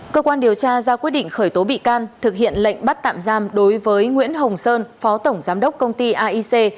cơ quan điều tra ra quyết định khởi tố bị can thực hiện lệnh bắt tạm giam đối với nguyễn hồng sơn phó tổng giám đốc công ty aic